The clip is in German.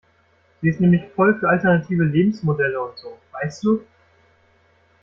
Sie ist nämlich voll für alternative Lebensmodelle und so, weißt du?